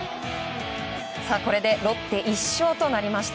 これでロッテが１勝となりました。